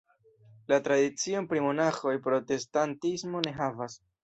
La tradicion pri Monaĥoj protestantismo ne havas.